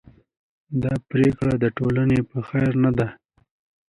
دا پرېکړه د ټولنې په خیر نه ده.